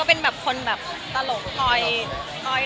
ก็เลยเอาข้าวเหนียวมะม่วงมาปากเทียน